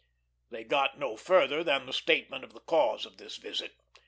They got no farther than the statement of the cause of this visit.